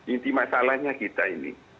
inti masalahnya kita ini